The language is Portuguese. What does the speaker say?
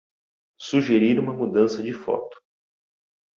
Sugerir uma mudança de foto